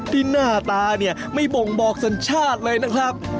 ที่หน้าตาไม่ไบ้บ่งบอกสัญชาติเลยนะครับ